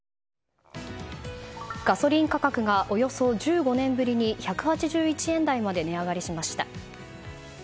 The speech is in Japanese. ガソリン価格がおよそ１５年ぶりに１８１円台まで値上がりしました。